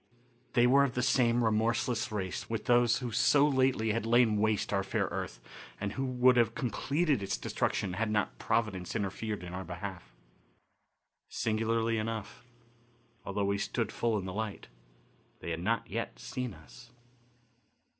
They were of the same remorseless race with those who so lately had lain waste our fair earth and who would have completed its destruction had not Providence interfered in our behalf. Singularly enough, although we stood full in the light, they had not yet seen us.